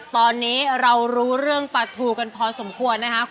ตอนนี้เรารู้เรื่องปลาทูกันพอสมควรนะครับ